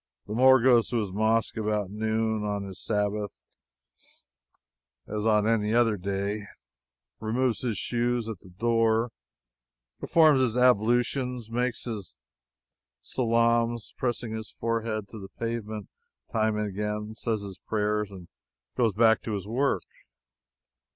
The Moor goes to his mosque about noon on his Sabbath, as on any other day, removes his shoes at the door, performs his ablutions, makes his salaams, pressing his forehead to the pavement time and again, says his prayers, and goes back to his work.